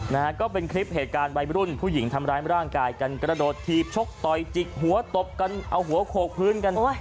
นะฮะก็เป็นคลิปเหตุการณ์วัยรุ่นผู้หญิงทำร้ายร่างกายกันกระโดดถีบชกต่อยจิกหัวตบกันเอาหัวโขกพื้นกันโอ้ย